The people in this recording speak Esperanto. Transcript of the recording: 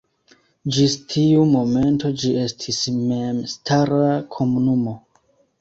Ĝis tiu momento ĝi estis memstara komunumo.